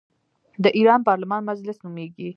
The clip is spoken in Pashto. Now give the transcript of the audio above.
د ایران پارلمان مجلس نومیږي.